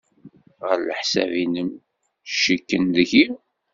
Ɣef leḥsab-nnem, cikken deg-i?